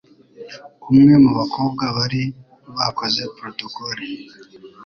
umwe mu bakobwa bari bakoze Protocole.